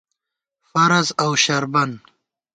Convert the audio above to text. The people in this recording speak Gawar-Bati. فرض اؤ شربَن